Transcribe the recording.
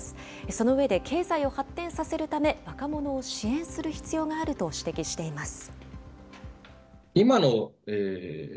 その上で、経済を発展させるため、若者を支援する必要があると指摘しています。